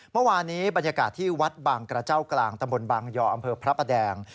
เมื่อวานนี้บรรยากาศที่วัดบางกระเจ้ากลางตำบลบางยออำเภอพระประแดง